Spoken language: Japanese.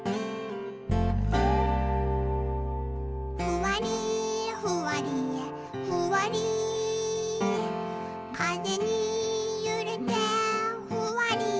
「ふわりふわりふわりかぜにゆれてふわり」